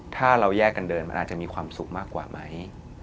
ถ้าเราแยกกันเดินมันอาจจะมีความสุขมากกว่าไหม